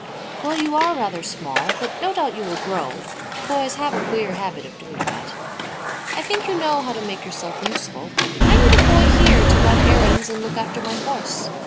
"Well, you are rather small but no doubt you will grow. Boys have a queer habit of doing that. I think you know how to make yourself useful. I need a boy here to run errands and look after my horse.